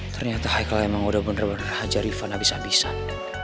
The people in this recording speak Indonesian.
ternyata haikal emang udah bener bener hajar ivan abis abisan